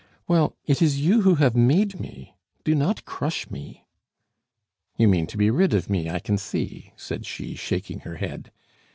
Well, it is you who have made me; do not crush me." "You mean to be rid of me, I can see," said she, shaking her head.